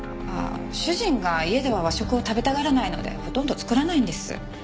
ああ主人が家では和食を食べたがらないのでほとんど作らないんです。